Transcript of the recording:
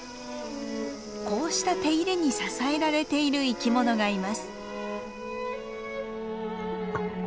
こうした手入れに支えられている生き物がいます。